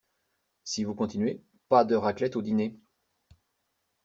Si vous continuez, pas de raclette au dîner.